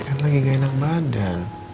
kan lagi gak enak badan